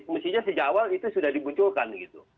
mestinya sejak awal itu sudah dimunculkan gitu